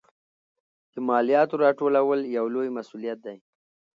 د مالیاتو راټولول یو لوی مسوولیت دی.